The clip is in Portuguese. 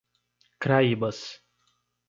Craíbas